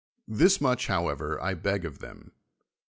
Thus much, however, I beg of 1he7ti.